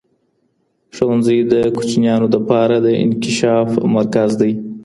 ښوونځی د کوچنیانو د پاره د انکشاف مرکز دی.